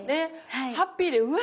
ハッピーでうわ